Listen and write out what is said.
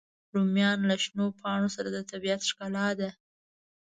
رومیان له شنو پاڼو سره د طبیعت ښکلا ده